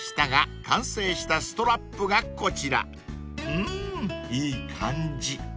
［うんいい感じ］